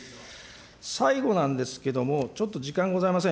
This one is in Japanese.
最後なんですけども、ちょっと時間がございません。